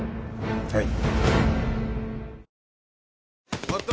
はい。